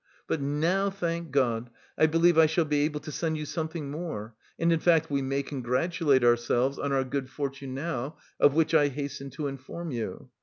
But now, thank God, I believe I shall be able to send you something more and in fact we may congratulate ourselves on our good fortune now, of which I hasten to inform you.